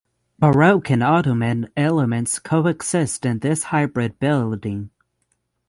Baroque and Ottoman elements coexist in this hybrid building.